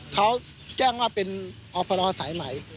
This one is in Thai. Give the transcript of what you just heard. เขาแจ้งว่าเป็นอพรสายใหม่